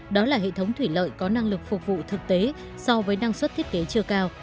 đó là hệ thống thủy lợi có năng lực phục vụ thực tế so với năng suất thiết kế chưa cao